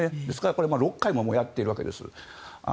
これ６回もやっているわけです。